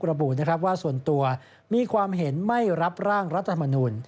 ระบูว่าส่วนตัวมีความเห็นไม่รับร่างรัฐมนุน